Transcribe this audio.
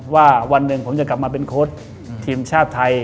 วันหนึ่งผมจะกลับมาเป็นโค้ชทีมชาติไทย